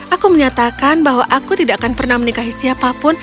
aku menyatakan bahwa aku tidak akan pernah menikahi siapapun